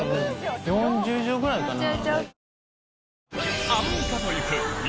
４０帖ぐらいかなぁ。